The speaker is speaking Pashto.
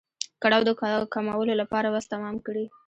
کړاو د کمولو لپاره وس تمام کړي.